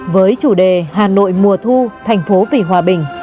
với chủ đề hà nội mùa thu thành phố vì hòa bình